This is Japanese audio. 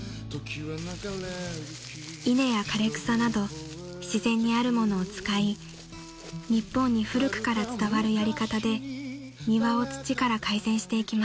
［稲や枯れ草など自然にあるものを使い日本に古くから伝わるやり方で庭を土から改善していきます］